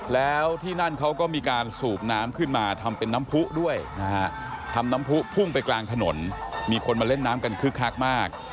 แล้วที่นั่นเขาก็มีการสูบน้ำขึ้นมาทำเป็นน้ำผู้ด้วยนะฮะทำน้ำผู้พุ่งไปกลางถนนมีคนมาเล่นน้ำกันคึกคักมาก